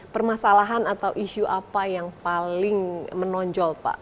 permasalahan atau isu apa yang paling menonjol pak